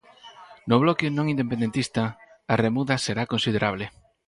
No bloque non independentista, a remuda será considerable.